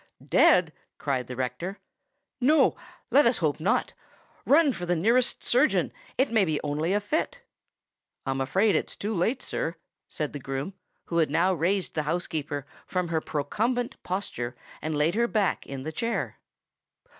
"Dead!" cried the rector. "No—let us hope not. Run for the nearest surgeon—it may only be a fit!" "I'm afraid it's too late, sir," said the groom, who had now raised the housekeeper from her procumbent posture, and laid her back in the chair.